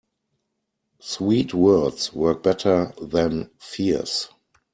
Sweet words work better than fierce.